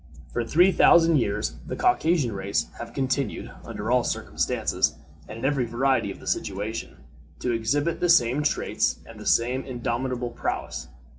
For three thousand years the Caucasian race have continued, under all circumstances, and in every variety of situation, to exhibit the same traits and the same indomitable prowess.